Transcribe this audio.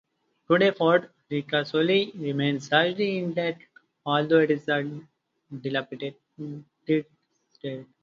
Today, Fort Ricasoli remains largely intact, although it is in a dilapidated state.